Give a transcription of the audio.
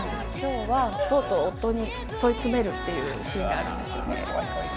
とうとう夫に問い詰めるっていうシーンがあるんです。